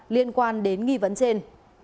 liên quan đến nghi vấn trên